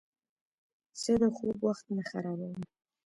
زه د خوب وخت نه خرابوم.